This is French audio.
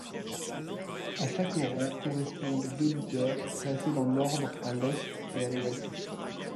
À chaque rang correspondent deux lutteurs, classés dans l'ordre à l'est et à l'ouest.